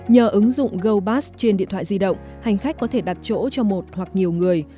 nhờ ứng dụng gobas trên điện thoại di động hành khách có thể đặt chỗ cho một hoặc nhiều người